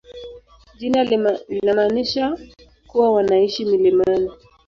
Jina linamaanisha kuwa wanaishi milimani.